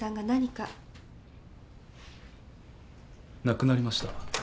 亡くなりました。